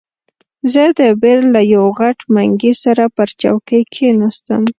زه د بیر له یوه غټ منګي سره پر چوکۍ کښېناستم.